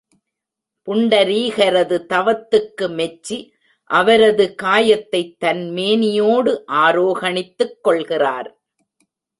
புண்டரீகரது தவத்துக்கு மெச்சி அவரது காயத்தைத் தம்மேனியோடு ஆரோகணித்துக் கொள்கிறார்.